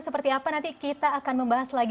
seperti apa nanti kita akan membahas lagi